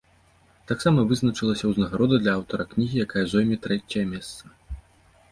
Таксама вызначылася ўзнагарода для аўтара кнігі, якая зойме трэцяе месца.